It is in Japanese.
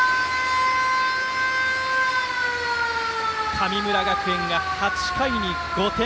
神村学園が、８回に５点。